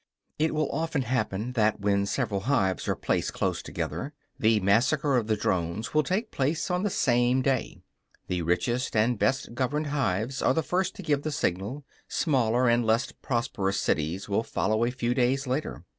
It will often happen that, when several hives are placed close together, the massacre of the drones will take place on the same day. The richest and best governed hives are the first to give the signal; smaller and less prosperous cities will follow a few days later.